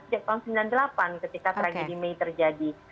sejak tahun seribu sembilan ratus sembilan puluh delapan ketika tragedi mei terjadi